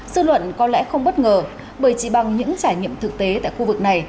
dư luận có lẽ không bất ngờ bởi chỉ bằng những trải nghiệm thực tế tại khu vực này